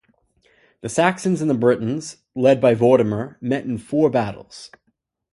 The Saxons and the Britons, led by Vortimer, met in four battles.